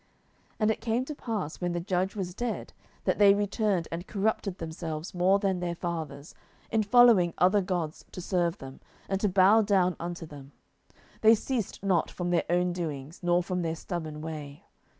07:002:019 And it came to pass, when the judge was dead, that they returned, and corrupted themselves more than their fathers, in following other gods to serve them, and to bow down unto them; they ceased not from their own doings, nor from their stubborn way.